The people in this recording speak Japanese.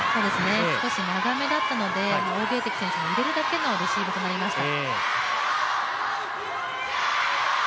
少し長めだったので、王ゲイ迪選手、入れるだけのレシーブとなりました。